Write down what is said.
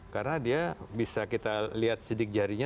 karena dia bisa kita lihat sidik jarinya